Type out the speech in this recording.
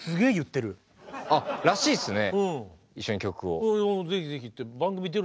あっらしいっすね